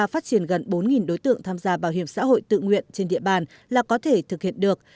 phát triển gần bốn đối tượng tham gia bảo hiểm xã hội tự nguyện trên địa bàn là có thể thực hiện được